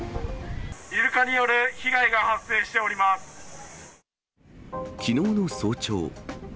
イルカによる被害が発生してきのうの早朝。